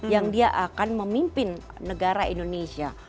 yang dia akan memimpin negara indonesia